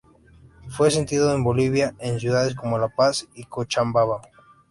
Fue sentido en Bolivia, en ciudades como La Paz y Cochabamba.